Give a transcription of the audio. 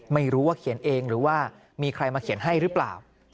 ไม่รู้ว่าเขียนเองหรือว่ามีใครมาเขียนให้หรือเปล่า